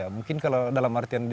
mungkin kalau dalam artian biasa